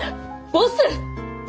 ボス！？